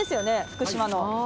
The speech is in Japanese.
福島の。